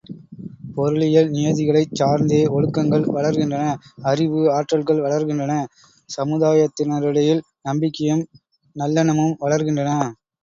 பொருளியல் நியதிகளைச் சார்ந்தே ஒழுக்கங்கள் வளர்கின்றன அறிவு, ஆற்றல்கள் வளர்கின்றன சமுதாயத்தினரிடையில் நம்பிக்கையும், நல்லெண்ணமும் வளர்கின்றன.